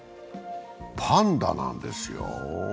パンダなんですよ。